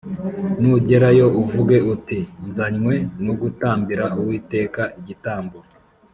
nugerayo uvuge uti ‘Nzanywe no gutambira Uwiteka igitambo.’